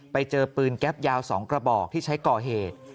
ไปเจอปืนแก๊ปยาว๒กระบอกที่ใช้ก่อเหตุ